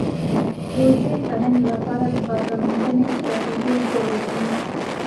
د عضوي کرنې لپاره د بازار موندنې ستراتیژي جوړه شي.